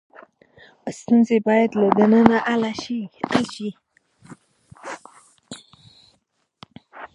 ستونزې باید له دننه حل شي.